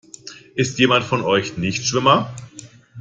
Ist jemand von euch Nichtschwimmer?